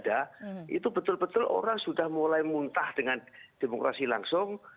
itu betul betul orang sudah mulai muntah dengan demokrasi langsung